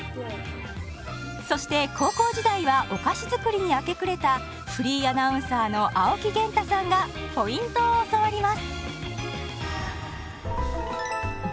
そして高校時代はお菓子作りに明け暮れたフリーアナウンサーの青木源太さんがポイントを教わります！